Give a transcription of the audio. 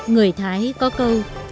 người thái có câu